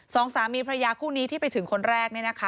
สองสามีพระยาคู่นี้ที่ไปถึงคนแรก